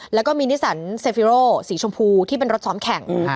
แล้วก็มีนิสันเซฟิโรสีชมพูที่เป็นรถซ้อมแข่ง